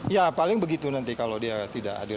ya paling begitu nanti kalau dia tidak hadir